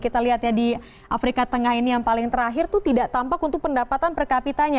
kita lihat ya di afrika tengah ini yang paling terakhir itu tidak tampak untuk pendapatan per kapitanya